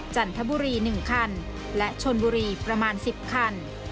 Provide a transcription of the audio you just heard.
จันทบุรี๑คันและชนบุรีประมาณ๑๐คัน